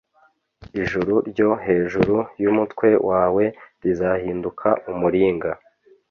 Ijuru ryo hejuru yumutwe wawe rizahinduka umuringa